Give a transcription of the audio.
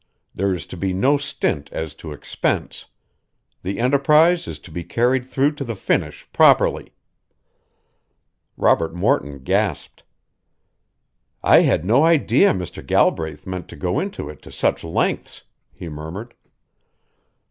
There is to be no stint as to expense. The enterprise is to be carried through to the finish properly." Robert Morton gasped. "I had no idea Mr. Galbraith meant to go into it to such lengths," he murmured.